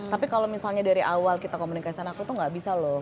tapi kalau misalnya dari awal kita komunikasi sama aku tuh gak bisa loh